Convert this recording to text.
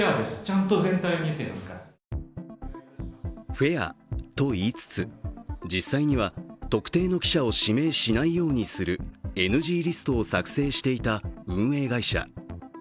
フェアと言いつつ、実際には特定の記者を指名しないようにするＮＧリストを作成していた運営会社。